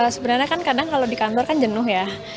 sebenarnya kan kadang kalau di kantor kan jenuh ya